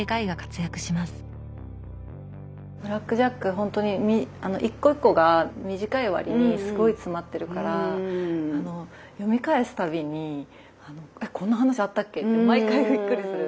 ほんとに一個一個が短い割にすごい詰まってるから読み返すたびにこんな話あったっけって毎回びっくりする。